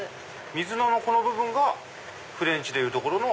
水菜のこの部分がフレンチでいうところの。